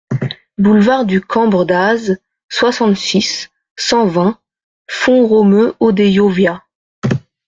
Boulevard du Cambre d'Aze, soixante-six, cent vingt Font-Romeu-Odeillo-Via